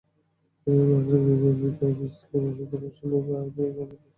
ধরা যাক বিজলী পতিতা, রসলুন বাইজি কিংবা বাল্যবিবাহের বলি কিশোরী শালুকলতার কথা।